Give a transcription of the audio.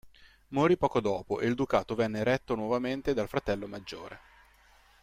Morì poco dopo e il ducato venne retto nuovamente dal fratello maggiore.